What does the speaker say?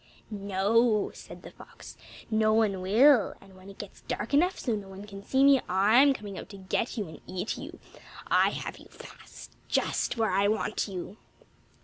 "No," said the fox, "no one will, and when it gets dark enough, so no one can see me, I'm coming out and get you and eat you. I have you fast, just where I want you."